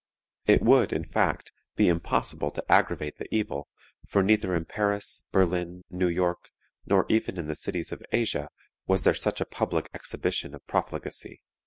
It would, in fact, be impossible to aggravate the evil, for neither in Paris, Berlin, New York, nor even in the cities of Asia, was there such a public exhibition of profligacy."